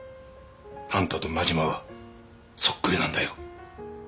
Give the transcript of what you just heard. あんたと真島はそっくりなんだよ。